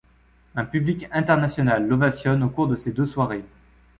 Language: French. Un public international l'ovationne au cours de ces deux soirées.